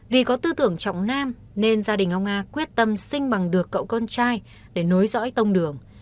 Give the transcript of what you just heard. vì có tư tưởng trọng nam nên gia đình ông nga quyết tâm sinh bằng được cậu con trai để nối dõi tông đường